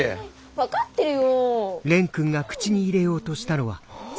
分かってるよ。